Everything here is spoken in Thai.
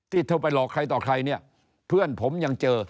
เธอไปหลอกใครต่อใครเนี่ยเพื่อนผมยังเจอ